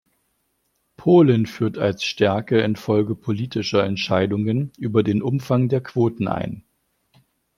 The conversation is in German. Polen führt als Stärke infolge politischer Entscheidungen über den Umfang der Quoten ein.